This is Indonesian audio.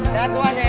sehat tuan ya